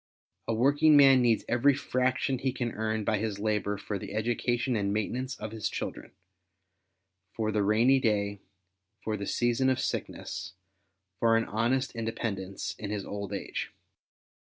A working man needs every fraction he can earn by his labour for the education and maintenance of his children, for the rainy day, for the season of sickness, for an honest inde pendence in his old age.